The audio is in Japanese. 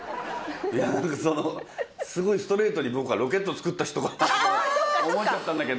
いや何かそのすごいストレートに僕はロケット作った人かなと思っちゃったんだけど。